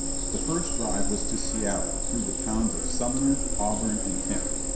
] The first drive was to Seattle through the towns of Sumner, Auburn, and Kent.